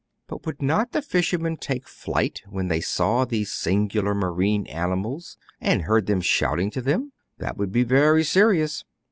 But would not the fishermen take flight when they saw these singular marine animals, and heard them shouting to them ? That would be very seri ous.